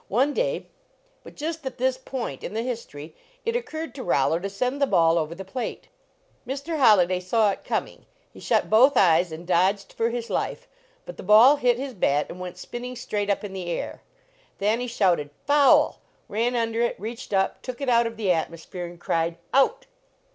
One day " But just at this point in the history it oc curred to Rollo to send the ball over the plate. Mr. Holliday saw it coming; he shut both eyes and dodged for his life, but the ball hit his bat and went spinning straight up in the air. Thanny shouted " Foul !" ran under it, reached up, took it out of the atmosphere, and cried : "Out!"